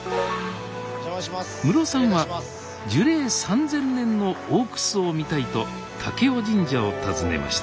ムロさんは樹齢３，０００年の大楠を見たいと武雄神社を訪ねました